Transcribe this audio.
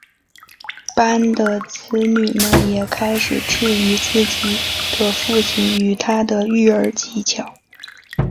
班的子女们也开始质疑自己的父亲与他的育儿技巧。